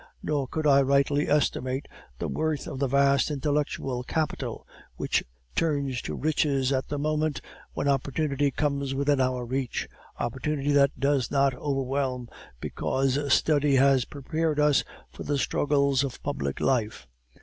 Nor could I rightly estimate the worth of the vast intellectual capital which turns to riches at the moment when opportunity comes within our reach, opportunity that does not overwhelm, because study has prepared us for the struggles of public life.